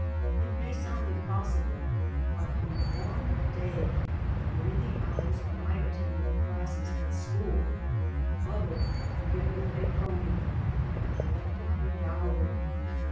It may sound impossible, but in one day (during the hours when I attended classes at school) mother, together with a crony, had collected a dowry.